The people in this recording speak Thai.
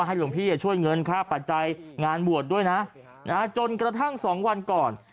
หลวงพี่ช่วยเงินค่าปัจจัยงานบวชด้วยนะจนกระทั่ง๒วันก่อน